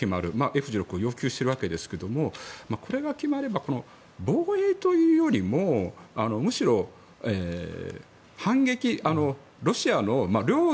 Ｆ１６を要求しているわけですけれどもこれが決まれば防衛というよりもむしろ反撃。